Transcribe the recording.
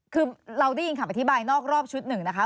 คือเราได้ยินคำอธิบายนอกรอบชุดหนึ่งนะคะ